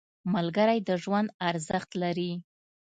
• ملګری د ژوند ارزښت لري.